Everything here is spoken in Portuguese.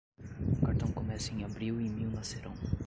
Um cartão começa em abril e mil nascerão.